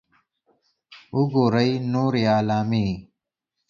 .وګورئ نورې علامې